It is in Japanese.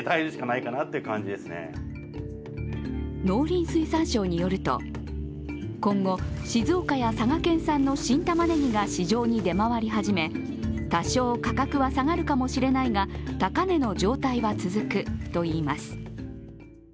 農林水産省によると今後、静岡や佐賀県産の新たまねぎが市場に出回り始め多少価格は下がるかもしれないが、高値の状態は続くといいます。